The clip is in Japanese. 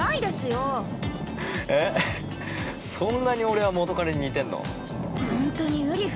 そんなに俺は元彼に似てるの？